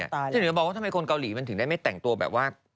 ที่เหลือบอกว่าทำไมคนเกาหลีมันถึงได้ไม่แต่งตัวแบบว่า